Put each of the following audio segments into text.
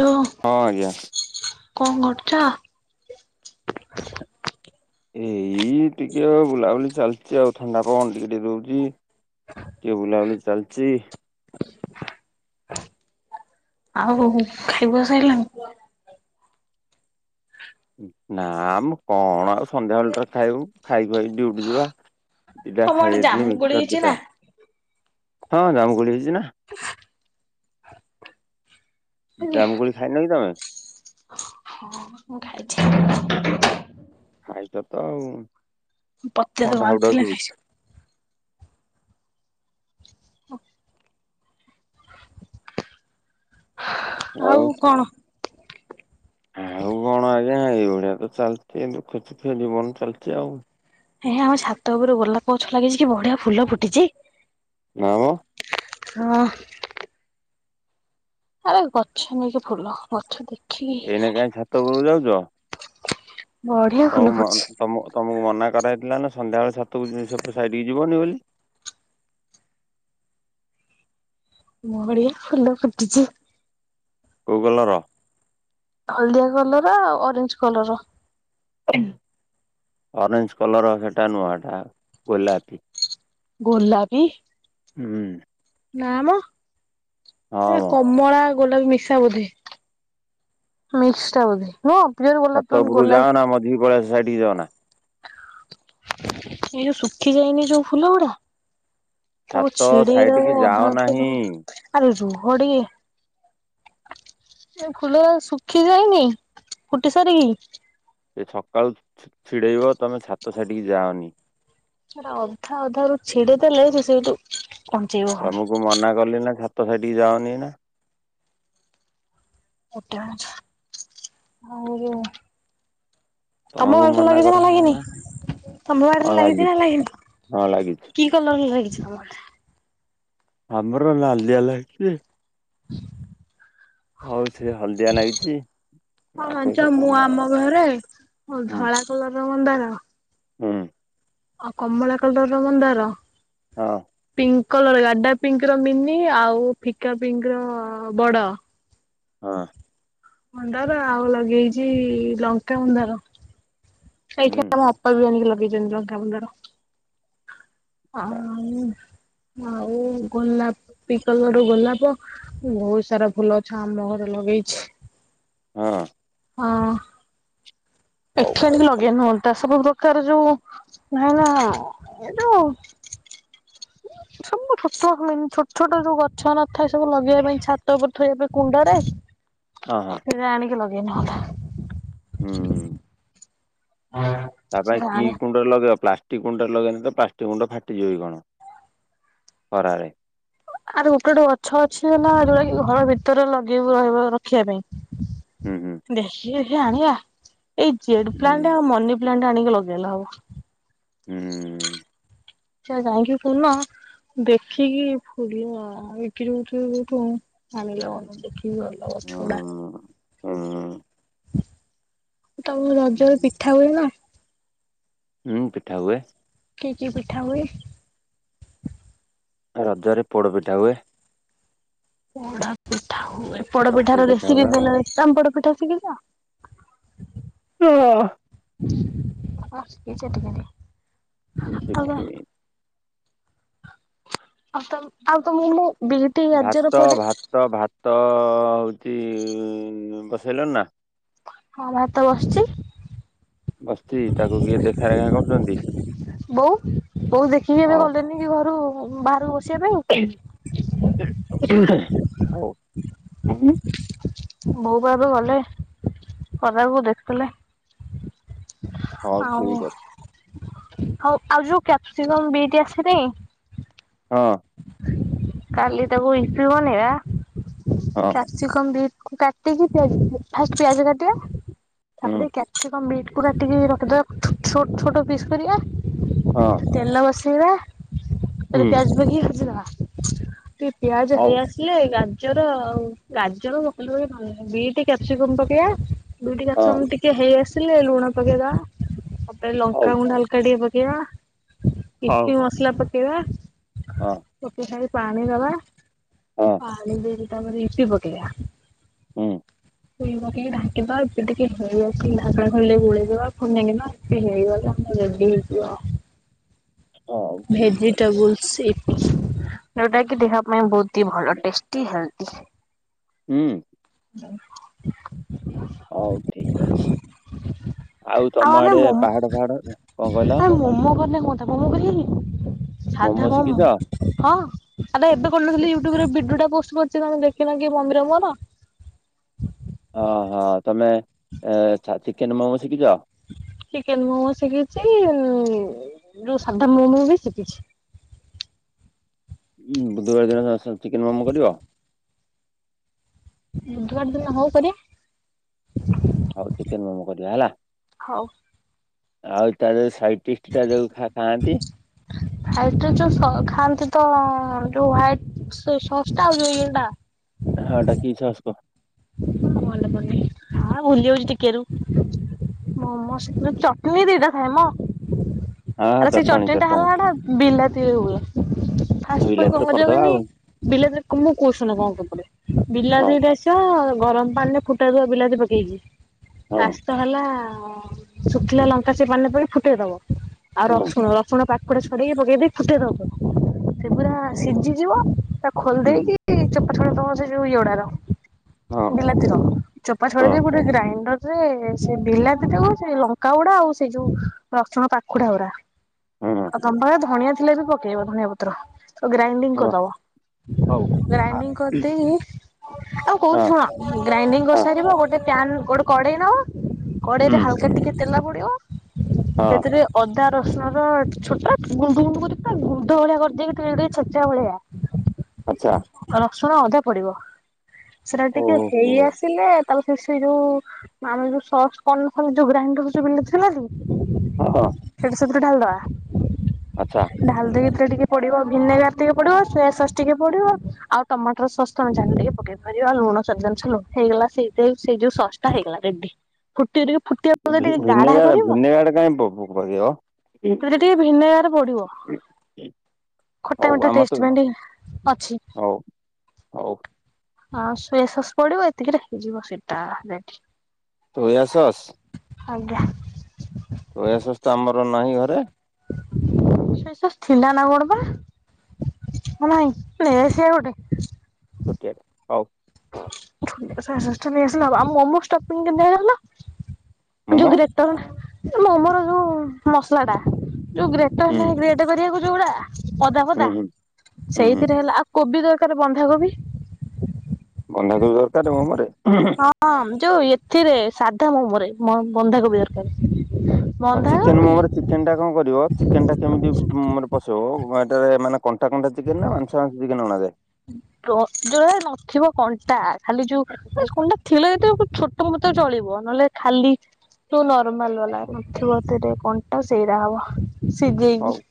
Hello ହଁ ଆଜ୍ଞା। କଣ କରୁଚ? ଏଇ ଟିକେ ବୁଲାବୁଲି ଚାଲିଚି ଆଉ ଥଣ୍ଡା ପବନ ଟିକେ ଟିକେ ଦଉଚି ଟିକେ ବୁଲାବୁଲି ଚାଲିଚି। ଆଉ ଖାଇ ଖୁଆ ସାଇଲଣି? ନା ମ କଣ ଆଉ ସନ୍ଧ୍ୟାବେେଳ ଟା ଖାଇବୁ ଖାଇ ଖୁଆକି ଡ଼ିଉଟି ଯିବା। ଦିଟା ତମ ଖାଇ ଆଡ଼େ ଦେଇଥିଲି ଜାମୁ କୋଳି ମିକ୍ସଚର ହେଇଚି ଦିଟା ନା? ହଁ ଜାମୁ କୋଳି ହେଇଚି ନା। ଜାମୁ କୋଳି ଖାଇନ କି ତମେ? ମୁଁ ଖାଇଛି ଖାଇଚ ତ ଆଉ। କଣ ଢାଉ ଢାଉ ଶୁଭୁଛି [unintelligible] ଆଉ କଣ? ଆଉ [unintelligible] ଏଇଭଳିଆ ତ ଚାଲଚି ଦୁଃଖ ସୁୁଖ ଜୀବନ ଚାଲିଚି ଆଉ। ଏ ଆମ ଛାତ ଉପରୁ ଗୋଲାପଗଛ ଲାଗିଛି କି ବଢିଆ ଫୁଲ ଫୁଟିଚି। ନାମ ହଁ। ଆରେ ଗଛ ନେଇକି ଫୁଲ ଗଛ ଦେ ଏଇନା କାଇଁ ଛାତ ଉପରକୁ ଯାଉଚ? ବଢିଆ ଫୁଲ ତମ ଫୁଟିଛି। ତମ ତମକୁ ମନା କରାହେଇଥିଲା ନା ସନ୍ଧ୍ୟା ବେଳେ ଛାତକୁ ସେପଟ୍ ସାଇଟ୍ କି ଯିବନି ବୋଲି। ବଢିଆ ଫୁଲ ଫୁଟିଚି। କୋଉ କଲର? ହଳଦିଆ କଲର ଆଉ ଅରେଞ୍ଜ କଲର। ଅରେଞ୍ଜ କଲର ସେଟା ନୁଆଁଟା ଗୋଲାପୀ। ଗୋଲାପି। ହୁଁ। ନା ମ। ହଁ ସେ ମ କମଳା ଗୋଲାପି ମିିସା ବୋଧେ। ମିକ୍ସ ଟା ବୋଧେ ନୁହଁ। ପିଓର ଗୋଲାପ ଛାତ ନୁହଁ ଉପୁରୁ ଗୋଲାପି ଯାଅନା ମଝିକି ପଳେଇ ଆସ ସାଇଟିକି ଯାଅନା। ଏଇ ଶୁଖି ଯାଇନି ଯୋଉ ଫୁଲ ଗୁଡା ତାକୁ ଛାତ ଛିଡେଇ ସାଇଟିକି ଦବୁ ଯାଅ ଅଧା ଅଧା ନାହିଁ ଯୋଉ ଆରେ ରୁ ଘଡିଏ ଏ ଫୁଲ ରା ଶୁଖି ଯାଇନି ଫୁଟି ସାରିକି? ଏଇ ସକାଳୁ ଛିଡେଇବ ତମେ ଛାତସାଇଟିକି ଯାଅନି। ସେରା ଅଧା ଅଧା ରୁ ଛିଡେଇଦେଲେ ସେ ସେଇଠୁ କଞ୍ଚେଇବ ପୁଣି ତମକୁ ମନା କଲି ନା ଛା ତ ସାଇଟି କି ଯାଅନି ଏଇନା। [unintelligible] ଆଉ ଯୋଉ ଆମ ତମକୁ ଆଡରେ ମନା ଲାଗିଛି ନା କରାହେଲା ଲାଗିନି ତମ ବାଡିରେ ଲାଗିଛି ନା ହଁ ଲାଗିଛି। ଲାଗିନି କି କଲର ଲାଗିଛି? [inaudible] ଆମର ନାଲିଆ ଲ ହେଛି ହଉ ସେ ହଳଦିଆ ଲାଗିଛି ହଁ ନା ସେ ଜାଣିଛ କ ମୁଁ ଆମ ଘରେ ହୁଁ ଧଳା କଲରର ମନ୍ଦାର ହୁଁ। ଆଉ କମଳ କଲର ମନ୍ଦାର। ହଁ। ପିଙ୍କି କଲର ଗାଡା ପିଙ୍କ ର ମିନି ଆଉ ଫିକା ପିଙ୍କ ର ବଡ ହଁ ମୁଣ୍ଡାର ଆଉ ଲଗେଇଛି ଲଙ୍କା ମନ୍ଦାର। ହୁଁ ସେଇଠି ଆମ ଅପା ବି ଆଣିକି ଲ ଲଗେଇଛନ୍ତି ଲଙ୍କା ମନ୍ଦାର। ହ ଆଉ ଗୋଲାପିକଲର ଗୋଲାପ ବହୁତ ସାରା ଫୁଲ ଗଛ ଆମ ଘରେ ଲଗେଇଛି। ହଁ। ହଁ। ହଉ। ଏଠି ଆଣୀକି ଲଗେଇ ନୁହନ୍ତା ସବୁ କରଛୁ ହେଲା ଏ ଯୋଉ ସବୁ ଛତୁଆ ହୁଏନି ଛୋଟ ଛୋଟ ଯୋଉ ଗଛ ନ ଥାଏ। ସବୁ ଲଗେଇ ପାଇଁ ଛାତଉପରେ ଥୋଇ ଏବେ କୁଣ୍ଡରେ ହଁ ହଁ ସେରା ଆଣିକି ଲଗେଇ [inaudible] ହୁଁ। ତା ପାଇଁ ସେରା କି ଆଣି କୋଣ୍ଡରେ ଲଗେଇବା ପ୍ଲାଷ୍ଟ କି ଗୁଣ୍ଡ ଲଗେଇଲେ ତ ପ୍ଲାଷ୍ଟ ଗୁଣ୍ଡ ଫାଟିଯିବି କଣ ଖରାରେ ଆର୍ ଗୋଟେ ଗୋଟେ ଗଛ ଅଛି ନା ଯୋଉଟା କି ଘର ଭିତରେ ଲଗେଇ ରହିବ ରଖିବା ପାଇଁ ହୁଁ ହୁଁ ଏ ଏ ଆନୀ ଆ ଏଇ ଜେଡ ହୁଁ ପ୍ଲାଣ୍ଟ ଆଉ ମନି ପ୍ଲାଣ୍ଟ ଆଣିକି ଲଗେଇ ଲେ ହେବ। ହୁଁ ସେ ଯାଇକି ପୁନ ଦେଖିକି ଫୁଲ ବିକ୍ରି ହଉଥିବ କଉଠୁ ଆଣିଲେ ହେବ। ଭଲ ଗଛ ଗୁଡା। ହଁ ହଁ। ତବ ରଜରେ ପିଠା ହୁଏ ନା ହୁଁ ପିଠା ହୁଏ। କି କି ପିଠା ହୁଏ? ରଜରେ ପୋଡ ପିଠା ହୁଏ। ପୋଡାପିଠା ହୁଏ ଚକୁଳି ପୋଡପିଠାର ପିଠା ରେସିପ୍ ହୁଏ। [unintelligible] ତମେ ପୋଡପିଠା ଶିଖିଚ? [inaudible] ହଁ ଶିକିଚ ଯେ ଟିକେ ଟିକେ। ମୁଁ ଆଉ କଣ? ଶିକିନି ଆଉ ତମ ଆଉ ତମକୁ ମୁଁ ବିଟି ଗାଜର ଭାତ ପୋଡି ଭାତ ଭାତ ହୋ ତି ବସେଇଲଣି ନା? ହଁ ଭାତ ବସଚି। ବସଚି ତାକୁ କିଏ ଦେଖାରେଖା କରୁଚନ୍ତି? ବୋଉ ବୋଉ ଦେଖିକି ଏବେ ଗଲେନି କି ଘରୁ ବାଆରେ ବସ୍ ହୋଉ। ଉ ବୋଉ ପା ଏବେ ଗଲେ। ପଦାକୁ ଦେଖଥୁଲେ। ହଉ ଠିକଅଛି। ହୋଉ ଆଉ ଯୋଉ କ୍ୟାପସିକମ ବିଇଟି ଆସିନେଇ ହଁ। କାଲି ତାକୁ ୟିପି ବନେଇବା। ହଁ କ୍ୟାପସିକମ୍ ବିଟ୍ କାଟିକି ପିଆଜ ଫିଆଜ୍ ଫାଷ୍ଟ ପିଆଜ କାଟିବା। ହୁଁ ତାପରେ କ୍ୟାପସିକମ୍ ବିଟ୍ ପୁରାଟିକି ରଖିଦବା ଛୋ-ଛୋଟ୍ ଛୋଟ ପିସ୍ କରିବା। ହଁ ତେଲ ବସେ ପିବା ତାପରେ ହୁଁ ପିଆଜ ପକେଇକି ଭାଜିଦବା ଟିକେ ପିଆଜ ହେଇ ହଉ ଆସିଲେ ଗା ଗାଜର ଆଉ ଗାଜର ପକେଇିଲେ ବି ଭଲ ଲାଗି ବିଟ କ୍ୟାପସିକମ ପକେଇବା ଦୁଇଟି ହଁ। କ୍ୟାପସିକମ୍ ଟିକେ ହେଇ ଆସିଲେ ଲୁଣ ପକେଇଦବା। ହଉ। ଲଙ୍କାଗୁଣ୍ଡ ହାଲକା ଟିକେ ପ କେଇବା ହଉ। ୟିପି ମସଲା ପ ପକେଇବା। ହଁ। ଖାଇ ପାଣି ଦବା ହଁ ତାପରେ ୟୁପି ପକେଇବା ହଁ ପୁଇ ଢାକିବା ଟିକେ ହେଇଗ ଢାକ ଖେଳିଲେ ବୁଳେଇଦବା ଫୁଣିଗିବାେ ହେଇଗଲେ ଆମର ରେଡି ହେଇଯିବ ହଉ ଆଉ ଠିକ ଅଛି। ଭେଜିଟେବୁଲସ୍ ଯୋଉଟା କି ଦେହ ପାଇଁ ବହୁତ ଭଲ ଟେଷ୍ଟି ହେଲ [inaudible] ହୁଁ। [inaudible] ହଉ ଠିକ ଅଛି। ଆଉ ତମ ଆମେ ଆଡେ ମୋମୋ ପାହାଡ ଫାହାଡ କଣ କହିଲ? ତ ମୁ [inaudible] ସାଧା ମୋମୋ ମମ ଶିଖିଛ? ହଁ। ଆ ଏବେ କରିୁନଥିଲେ ୁଟ୍ୟୁବରେ ବିଡୋଟା ପୋଷ୍ଟ ଛି ତମେ ଦେଖିନ କି ମନ୍ଦିର ମର? ହଁ ହଁ। ତମେ ଏ-ଛାତି କେେମାଁସିକି ଯଅ ଚିକେନ ମୋମୋ ଶିଖିଛି ମ- ମ୍ ଯୋଉ ସାଧା ମୋମୋ ବି ଶିଖିଛି। ବୁ-ବୁଧବାର ଦିନ ସ-ସଚିକେନ ମୋମୋ କରିବ। ବୁଧବାର ଦିନ ହଉ କରିଆ। ଆଉ ଚିକେନ ମୋମୋ କରିବା ହେଲା। ହଉ। ଆଉ ତାର ସାଇ ତିଷ୍ଟା ଦେଉ ଖା ଖାଆନ୍ତି। ହାଇଟରେ ଯୋଉ ସ-ଖାଆନ୍ତି ତ-ଅଂ ଯୋଉ ହଟ ଶସ୍ତା ହଉ ଇଏଟା। ହଁ ଡାକିଛ ଅସ୍କ। କଅଣ ମନେପଡୁନି ହଁ ଭୁଲି ଯାଉଛି ଟିକେ ର ମମୋ ସେଥିରୁ ଚଟନୀ ଦିଟା ଥାଏ ମ। ହଁ ଆରେ ସେଇ ଚଟଣୀ ଚଟଣିୀ ଟା ଚଟଣୀ ହେଲା ଟା ବିଲାତିରି ହୁଏ। [inaudible] ଫାଷ୍ଟ ଫ ବିଲାତିରେ କରିଦବା କାଉନି ଆଉ। ବିଲାତି ମୁଁ କହୁସନ କଣ କେପଡ ହଁ ବିଲାତିିନଟ ଆ ଅଁ ଗରମ ପାଣିରେ ଫୁଟା ଧୁଆ ବିଲାତି ପକେଇଚି। ହଁ ତାଶ ତ ହେଲା ହଁ ଶୁଖିଲା ଲଙ୍କା ସେ ପାନେ ପଣି ଫୁଟେଇଦବ। ଆଉ ହଁ ରସୁଣ ରସୁଣ ପା କୋଡ଼ଛେ ପେଇେ କୁଟେ ଦ। [inaudible] ସେ ହୁଁ ପୁରା ହୁଁ, ସିଝିଯିବ। ହୁଁ, ଖୋଲଦେକି ଇ ଚୁପ୍ ଆ ତମର ସେ ଯଉ ଈଓଡାର। ହଁ ବିଲାତିର ଚୋପା ହଁ ଛଡେ଼ଇବି ଗୋଟେ ଗ୍ରାଇଣ୍ଡର ସେ ସେ ବିଲାତିଟାକୁ ସେ ଲଙ୍କା ଗୁଡା ଆଉ ସେଇ ଯୋଉ ରସୁଣ ପାଖୁଡା ଗୁଡା। ହଁ ହଁ ଆଉ ତମ ପାଖରେ ଧଣିଆ ଥିଲେ ବି ପକେଇବ ଧନିଆ ପତ୍ର। ଗ୍ରାଇଣ୍ଡିଙ୍ଗ ହଉ। କରିଦବ ଗ୍ରାଇଣ୍ଡିଙ୍ଗ ଆ- କରିଦେଇି ଆଉ କହୁ ଗ୍ରାଇଣ୍ଡିଙ୍ଗ କରିସାରିବ ଗୋଟେ ପ୍ୟାନ୍ ଗୋଟେ କଡେଇ ନବ କଡେଇରେ ହାଲକା ଟିକେ ତେଲ ପୁଡ଼ିିବ ସେଥିରେ ଅଦା ର ସୁଣ ର ଛୋଟ ଗୁଣ୍ଡୁ ଗୁଣ୍ଡୁ କରିକି ଗ୍ରୁଧ ଭଳିଆ କରିଦେଇକି ଟିକେ ଟିକେ ଛେଚା ଭଳିଆ। ଆଚ୍ଛା। ଶୁଣ ଅଧା ପଡିବ। ସେଟା ଟିକେ ହେଇ ଆସିଲେ ଆଉ ଯୋ ସେଇ ଯୋଉ ଆମେ ଯୋଉ ସସ୍ ପନ ଯୋଉ ଗ୍ରାଇଣ୍ଡର ସବୁ ହେଇ ନ ଥିଲା କି [unintelligible] ସେଥିରେ ଢାଳିଦେବା। ଢାଳି ଦେଇକି ସେ ଟିକେ ପଡିବ ଭିନେଗାର ଟିକେ ପଡିବ ସୋୟା ସସ୍ ଟିକେ ପଡିବ ଆଉ ଟମାଟର ସସ୍ ତମେ ଜାଣିଦେଇକି ପକେଇବ ରିବ ଲୁଣ ସ୍ବାଦ ଅନୁସାରେ ଲୁଣ ହେଇଗଲା ସେଇ ସେଇ ଯୋଉ ସସ୍ ଟା ହେଇଗଲା ରେଡି ଫୁଟ ଟିକେ ଟିକେ ଫୁଟିବା ପରେ ଟିକେ ଗାଢା କରିବ ଭିନେଗାରଟା କାଇଁ ପ ପ ପକେଇବ? ଟିକେ ଭିନେଗାର ପଡିବ ଖଟା ହଉ ମିଠା ଆମର ତ ଟେଷ୍ଟ ପାଇଁ ଅଛି। ହଉ, ହଉ ଆଉ ସୋୟା ସସ୍ ପଡିବ ଏତିକି ରେ ହେଯିବ ସେଇଟା ରେଡି। ସୋୟା ସସ୍, ଆଜ୍ଞା। ସୋୟା ସସ୍ ତ ଆମର ନାହିଁ ଘରେ। ସୋୟା ସସ୍ ଥିଲା ନା କଣ ବା ନାହିଁ ନେଇ ଆସିବା ଗୋଟେ। ଛୋଟିଆଟେ। ହଉ। ଓ ସୋୟା ସସ୍ ଟା ନେଇ ଆସିଲେ ହବ ଆଉ ମମୋସ୍ ଷ୍ଟପିଙ୍ଗ ଟ କେମିତା। [unintelligible] ଯୋଉ ମୋମୋ? ଗ୍ରେଟ ମୋମୋର ଯୋଉ ମସଲା ଟା। ତୁ ଗ୍ରେଟର ହୁଁ, ନାଇଁ ଗ୍ରେଟ କରିବାକୁ। ଯୋଗୁଡ଼ା ଅଦା ହୁଁ, ଫଦା ହୁଁ, ହୁଁ, ହୁଁ, ସେଇଥିରେ ହେଲା ଆଉ କୋବି ଦରକାର କାର ବନ୍ଧାକୋବି ବନ୍ଧାକୋବି ଦରକାର ମୋମୋ ରେ। ହଁ ଯୋଉ ଏଥିରେ ସାଧା ମୋମୋରେ ବନ୍ଧାକୋବି ଦରକାର। ହଁ ଚିକେନ ବନ୍ଧାକୋବି ମୋମୋରେ ଚିକେନ ଟା କଣ କରିବ ଚିକେନ ଟା କେମିତି ମାନେ ପଶେଇବ। ହ୍ୱାଟ ତା ମାନେ କଣ୍ଟା କଣ୍ଟା ଚିକେନ ନା ମାଂସ ମାଂସ ଦେଖିକି ଅଣାଯାଏ? ଯୋ ଯୋଉରାରେ ନଥିବ କଣ୍ଟା ଖାଲି ଯୋଉ ବାସ କଣ୍ଟା ଥିଲେ ବି ତ ଛୋଟ ମତେ ଚଳିବ ନହେଲେ ଖାଲି ତ ନର୍ ମାଲ୍ ବାଲା ନଥିବ ସେଥିରେ। କଣ୍ଟା ସେଇରା ହବ। ସିଜେଇବି। ହଉ,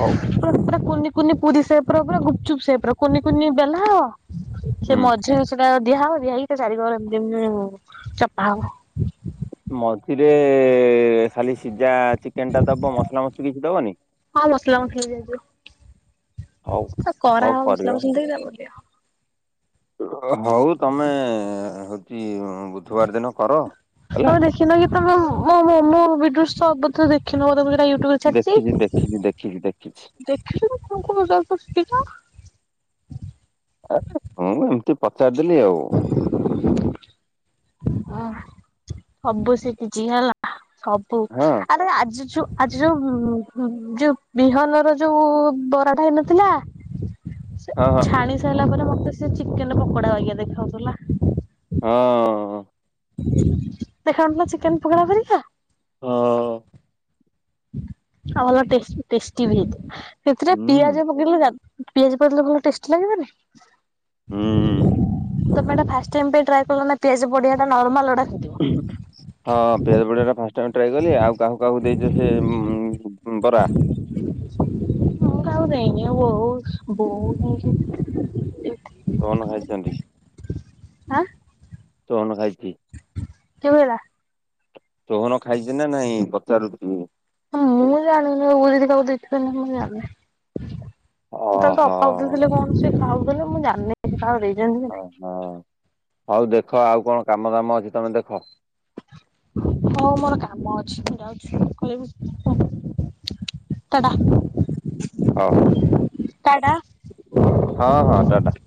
ହଉ, କୁନି କୁନି ପୁରୀ ସେପ୍ ପୁରା ପୁରା ଗୁପଚୁପ ସେପ୍ ର କୁନି କୁନି ବେଲା ହବ ହୁଁ। ସେ ମଝିରେ ସେ ଦିଆ ହବ ଦିଆ ହେଇକି ତା ଚାରିକର ଏମତି ଏମତି ଚପା ହବ। ମଝିରେ ଖାଲି ସିଝା ଚିକେନ ଟା ଦବ ମସଲା ମସଲି କିଛି ଦବନି? ହଁ ମସଲା ମସଲି ହଉ ଦିଆଯିବ। ହଉ କରାହେବ କରିବ ମସଲା ମସଲି ଟିକେ ତାପରେ ଦିଆହେବ। ହଉ ତମେ ହଉଛି ବୁଧବାର ଦିନ କର ହେଲା ଆଉ ଦେଖିନ କି ତମେ ମୋ ମୋମୋ ବି ସବୁ ତ ଦେଖିନ ବୋଧେ ତମେ ୟୁଟ୍ୟୁବ୍ ରେ ଛାଡିଛି। ଦେଖିଛି ଦେଖିଛି ଦେଖିଛି ଦେଖିଛି ଦେଖିବ [unintelligible] ଆରେ ମୁଁ ଏମିତି ପଚାରିଦେଲିି ଆଉ। ଓ ସବୁ ଶିଖିଚି ହେଲା। ସବୁ ହଁ ଆରେ ଆଜି ଯୋଉ ଆଜି ଯୋଉ ଯୋଉ ବିହନର ଯୋଉ ବରାଟା ହେଇନଥିଲା? ଛା ହଁ ହଁ ଛାଣି ସାର ଦେଖିଲା ପରେ ମତେ ସେ ଚିକେନ ପକୋଡା ବାଗିଆ ଦେଖାଯାଉଥିଲା। ହଁ ଦେଖାଯାଉନଥିଲା ଚିକେନ ପକୋଡା ପରିକା? ହଁ। ଆଁ ଭଲ ଟେଷ୍ଟ ଟେଷ୍ଟି ବି ହେଇଥିଲା। ସେଥିରେ ହୁଁ ପିଆଜ ପକେଇଲେ ଯା ପିଆଜ ପକେଇଥିଲେ ଭଲ ଟେଷ୍ଟି ଲାଗିବନି। ହୁଁ ତ ମ୍ୟାଡ଼ାମ ଫାଷ୍ଟ ଟାଇମ ପାଇଁ ଟ୍ରାଏ କଲ ନା ପିଆଜ ପଡ଼ିଆଟା ହଁ ପିଆଜ ପଡ଼ିଆ ଟା ଫାଷ୍ଟ ଟାଇମ ଟ୍ରଏ ଆଉ କାହା କାହାକୁ ଦେଇଛ ସେ ବରା ମୁଁ କାହାକୁ ଦେଇନି ଆଉ ବୋ ବୋଉ ବୋଉ ହୋଉ [unintelligible] କଣ ଖାଇଛନ୍ତି? ଆଁ ତୁ ଖାଇ କେବେ ହେରା ରୋହନ ଖାଇଛି ନା ନାଇଁ ପଚାରୁଛି ମୁଁ ମୁଁ ଜାଣିନି ମୁଁ ଯଦି କାହାକୁ ଦେଖିନି ମୁଁ ଜାଣିନି ମୁଁ ତା ଓହୋ ଅପାକୁ ଦେଇଥିଲି କଣ ସେ ଖାଉ ଭାଇ ମୁଁ ଜାଣିନି ଯଦି କାହାକୁ ଦେଇଚି ଅହ ହଉ ଦେଖ ଆଉ କଣ କାମ ଭଲ କାମ ଅଛି ତମେ ଦେଖ ହଁ ମୋର କାମ ଅଛି ମୁ ଯାଉଛି କହିବୁ [unintelligible] ଟା ଟା। ହଁ। ତାଇ ନାଁ। ହଁ ହଁ ଟାଟା।